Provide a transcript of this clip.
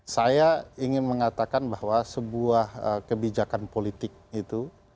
saya ingin mengatakan bahwa sebuah kebijakan politik itu